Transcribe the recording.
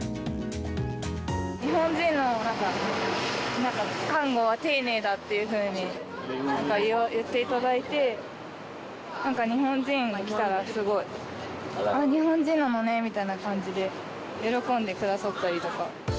日本人の、なんか看護は、丁寧だっていうふうに言っていただいて、なんか日本人が来たら、すごい、あっ、日本人なのね、みたいな感じで喜んでくださったりとか。